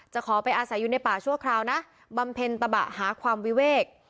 ขอไปอาศัยอยู่ในป่าชั่วคราวนะบำเพ็ญตะบะหาความวิเวก